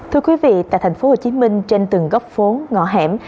thưa quý vị tại thành phố hồ chí minh trên từng góc phố ngõ hẻm